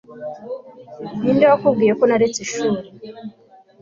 Ninde wakubwiye ko naretse ishuri